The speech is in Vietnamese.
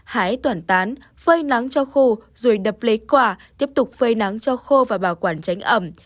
hái tỏa tán phơi nắng cho khô rồi đập lấy quả tiếp tục phơi nắng cho khô và bảo quản tránh ẩm